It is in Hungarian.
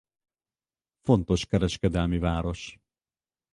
Fontos kereskedelmi város.